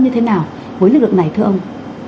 như thế nào với lực lượng này thưa ông